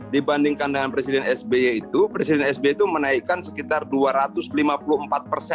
dibandingkan dengan presiden sby itu presiden sby itu menaikkan sekitar dua ratus lima puluh empat persen